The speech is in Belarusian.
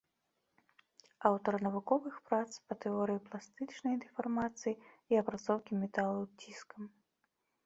Аўтар навуковых прац па тэорыі пластычнай дэфармацыі і апрацоўкі металаў ціскам.